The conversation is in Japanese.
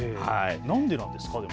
なんでなんですか。